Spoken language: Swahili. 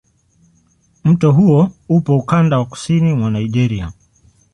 Mto huo upo ukanda wa kusini mwa Nigeria.